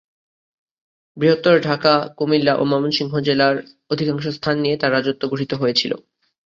বৃহত্তর ঢাকা, কুমিল্লা ও ময়মনসিংহ জেলার অধিকাংশ স্থান নিয়ে তার রাজত্ব গঠিত হয়েছিল।